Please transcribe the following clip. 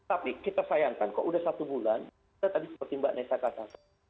tapi kita sayangkan kok sudah satu bulan kita tadi seperti mbak nessa katakan